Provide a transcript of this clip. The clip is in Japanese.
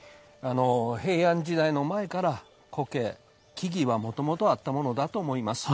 平安時代の前から苔、木々はもともとあったものだと思います。